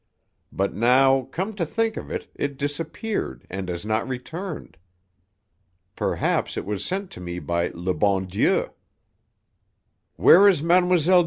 But, now, come to think of it, it disappeared and has not returned. Perhaps it was sent to me by le bon Dieu." "Where is Mlle.